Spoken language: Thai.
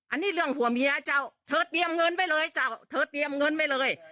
อันนี้เรื่องผัวเมียเจ้าเธอเตรียมเงินไปเลยเจ้าเธอเตรียมเงินไว้เลย